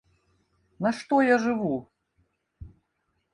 На што я жыву?